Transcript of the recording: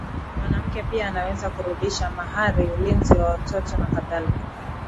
Mwanamke pia anaweza Kurudisha mahari ulinzi wa watoto nakadhalika